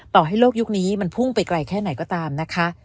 ต่อให้โลกยุคนี้มันพุ่งไปไกลแค่ไหนก็ตามนะคะ